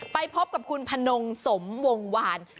ไปพบกับคุณพนงสมวงวาน